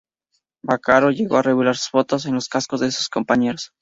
Vaccaro llegó a revelar sus fotos en los cascos de sus compañeros.